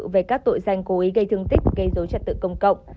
về các tội danh cố ý gây thương tích gây dối trật tự công cộng